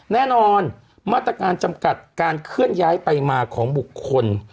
แน่นอนมาตรการจำกัดการเคลื่อนย้ายไปมาของบุคคล